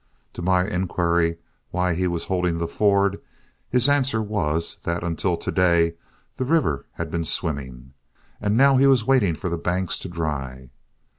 To my inquiry why he was holding the ford, his answer was that until to day the river had been swimming, and now he was waiting for the banks to dry.